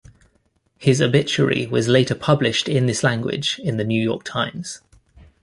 His obituary was later published in this language in the "New York Times".